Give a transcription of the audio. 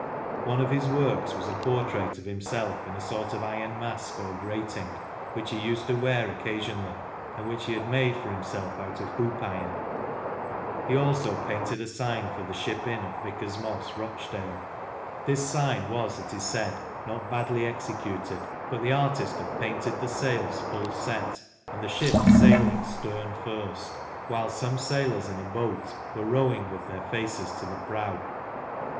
One of his works was a portrait of himself in a sort of iron mask or grating, which he used to wear occasionally, and which he had made for himself out of hoop iron. He also painted a sign for the 124 BYGONE LANCASHIRE. Ship Inn at Vicar's Moss, Rochdale. This sign was, it is said, not badly executed, but the artist had painted the sails full set and the ship sailing stern first, whilst" some sailors in a boat were rowing with their faces to the prow.